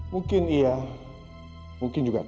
mungkin iya mungkin juga